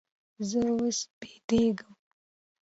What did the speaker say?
زه اوس بېدېږم.